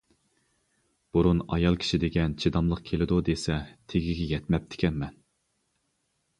بۇرۇن ئايال كىشى دېگەن چىداملىق كېلىدۇ دېسە تېگىگە يەتمەپتىكەنمەن.